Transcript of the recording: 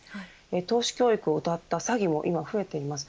投資教育をうたった詐欺も今、増えています。